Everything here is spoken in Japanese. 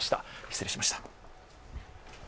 失礼しました。